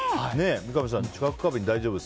三上さん